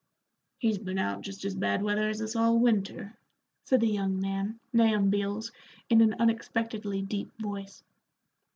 "He's been out jest as bad weather as this all winter," said the young man, Nahum Beals, in an unexpectedly deep voice.